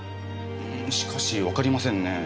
しかしわかりませんねえ。